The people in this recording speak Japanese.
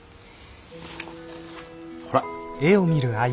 ほら。